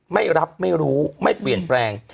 ไม่รับไม่รู้ไม่เปลี่ยนแปลง